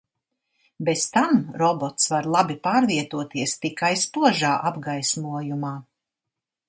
Bez tam robots var labi pārvietoties tikai spožā apgaismojumā.